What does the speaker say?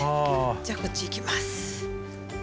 じゃあこっち行きます。